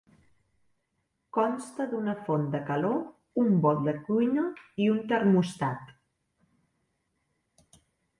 Consta d'una font de calor, un bol de cuina i un termòstat.